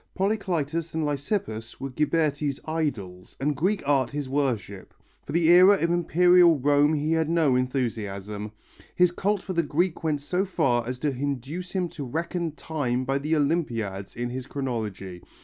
Polycletus and Lysippus were Ghiberti's idols, and Greek art his worship; for the era of Imperial Rome he had no enthusiasm. His cult for the Greek went so far as to induce him to reckon time by the Olympiads in his chronology.